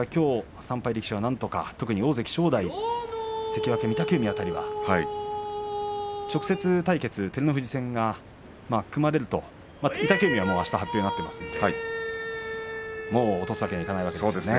３敗力士、特に正代関脇御嶽海辺りは直接対決照ノ富士戦が組まれると御嶽海は、あした発表になっていますけれど落とすわけにはいかないわけですね。